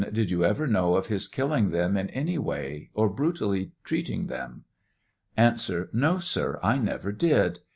Did you ever know of his killing them in any way or brutally treating them ' A. No, sir ; I never did.